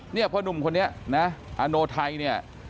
เพราะท่านหนุ่มคนนี้อนโนไทย